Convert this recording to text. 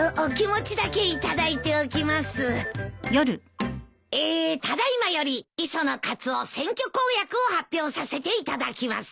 ただいまより磯野カツオ選挙公約を発表させていただきます。